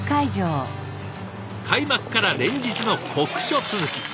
開幕から連日の酷暑続き。